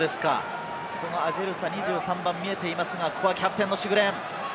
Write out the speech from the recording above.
そのアジェルサ、２３番が見えていますが、ここはキャプテン、シグレン。